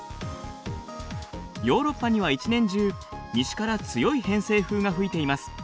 ヨーロッパには一年中西から強い偏西風が吹いています。